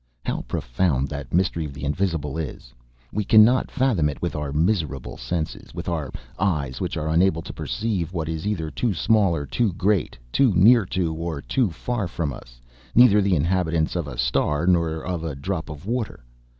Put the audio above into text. How profound that mystery of the Invisible is! We cannot fathom it with our miserable senses, with our eyes which are unable to perceive what is either too small or too great, too near to, or too far from us; neither the inhabitants of a star nor of a drop of water